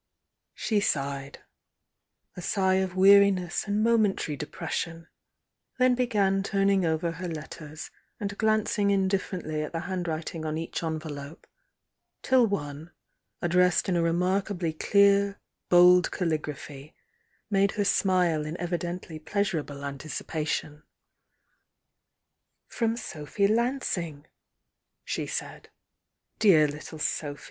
" She sighed,— a sigh of weariness and momentary depression, then began turning over her letters and glancing indifferently at the handwriting on each envelope, till one, addressed in a remarkably clear, bold caligraphy, made her smile in evidently pleas urable anticipation. "From Sophy Lansing," she said. "Dear little Sophy!